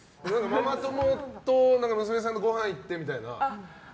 ママ友と娘さんとごはん行ってみたいな。